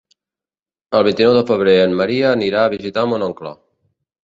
El vint-i-nou de febrer en Maria anirà a visitar mon oncle.